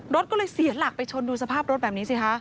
รถก็เลยเสียหลักไปชนดูสภาพรถแบบนี้สิคะ